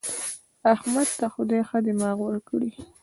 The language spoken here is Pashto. احمد ته خدای ښه دماغ ورکړی دی.